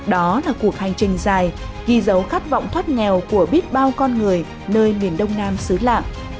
đó là cuộc hành trình dài ghi dấu khát vọng thoát nghèo của biết bao con người nơi miền đông nam xứ lạng